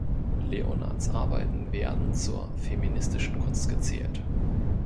Leonards Arbeiten werden zur feministischen Kunst gezählt.